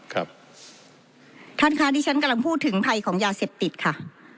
ท่านคะที่ฉันกำลังพูดถึงภัยของยาเสพติดค่ะ